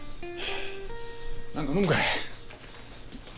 何か飲むかい。